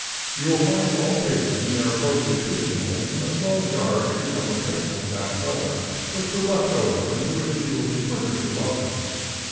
] You will find all papers in their appropriate pigeon holes, and a small jar of cucumber pickles down cellar, which were left over and to which you will be perfectly welcome.